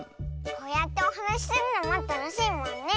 こうやっておはなしするのもたのしいもんね！